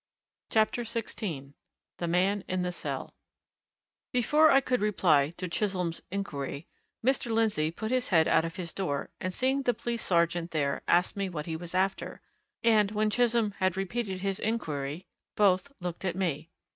CHAPTER XVI THE MAN IN THE CELL Before I could reply to Chisholm's inquiry, Mr. Lindsey put his head out of his door and seeing the police sergeant there asked what he was after. And when Chisholm had repeated his inquiry, both looked at me.